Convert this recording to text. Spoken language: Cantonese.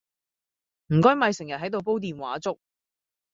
唔該咪成日喺度煲電話粥